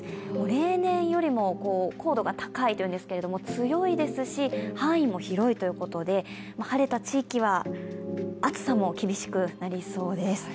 例年よりも高度が高いと言うんですけれども強いですし、範囲も広いということで晴れた地域は暑さも厳しくなりそうです。